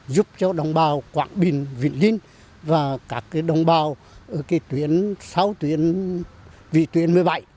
giúp cho đồng bào quảng bình vĩnh linh và các đồng bào ở tuyến sáu tuyến một mươi bảy